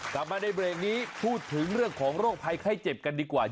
กลับมาในเบรกนี้พูดถึงเรื่องของโรคภัยไข้เจ็บกันดีกว่า